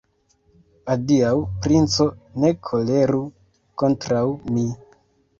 Adiaŭ, princo, ne koleru kontraŭ mi!